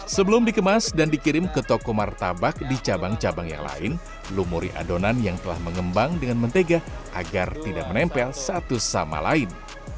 sebelum dikemas dan dikirim ke toko martabak di cabang cabang yang lain lumuri adonan yang telah mengembang dengan mentega agar tidak menempel satu sama lain